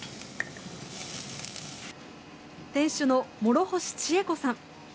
店主の諸星千恵子さん。